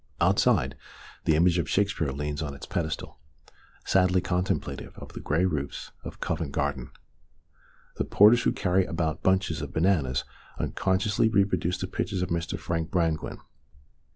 Outside, the image of Shakespeare DRURY LANE AND THE CHILDREN 215 leans on its pedestal, sadly contemplative of the grey roofs of Covent Garden. The porters who carry about bunches of bananas unconsciously reproduce the pictures of Mr. Frank Brangwyn.